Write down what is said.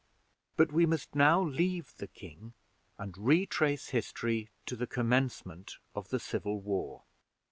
But we must now leave the king and retrace history to the commencement of the civil war.